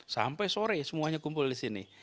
sampai sore semuanya kumpul di sini